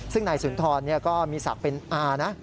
ซึ่งนายสุนทรก็มีศักดิ์เป็นอานะ